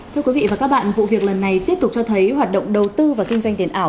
thưa quý vị và các bạn vụ việc lần này tiếp tục cho thấy hoạt động đầu tư và kinh doanh tiền ảo